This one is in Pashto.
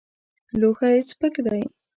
لوښی سپک دی.